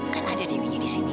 kan ada dewinya di sini